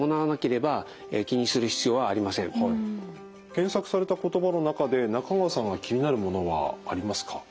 検索された言葉の中で中川さんが気になるものはありますか？